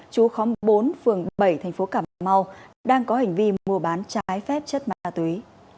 chú khóm bốn phường bảy thành phố cà mau đang có hành vi mua bán trái phép chất ma túy